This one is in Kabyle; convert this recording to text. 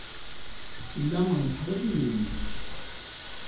Tella teḥwaj idrimen.